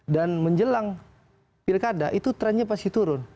dan menjelang pilkada itu trendnya pasti turun